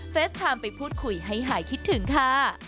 ไทม์ไปพูดคุยให้หายคิดถึงค่ะ